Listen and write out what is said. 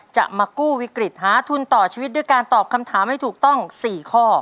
จะมากู้วิกฤตหาทุนต่อชีวิตด้วยการตอบคำถามให้ถูกต้อง๔ข้อ